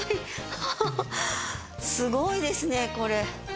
ハハハすごいですねこれ。